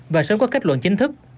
và sớm có kết luận chính thức